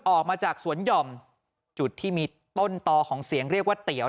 ออกมาจากสวนหย่อมจุดที่มีต้นต่อของเสียงเรียกว่าเตี๋ย